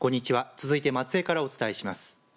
続いて松江からお伝えします。